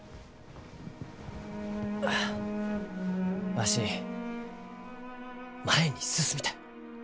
あわし前に進みたい。